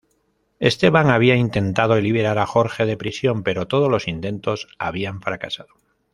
Esteban había intentado liberar a Jorge de prisión, pero todos los intentos habían fracasado.